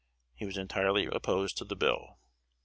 He was entirely opposed to the bill.